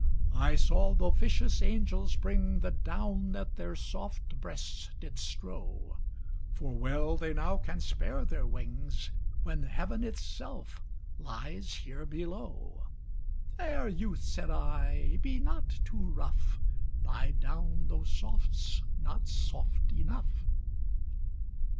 I saw th'officious angels bring, The down that their soft breasts did strow, For well they now can spare their wings, When Heaven itself lies here below. Fair youth (said I) be not too rough, Thy down though soft's not soft enough.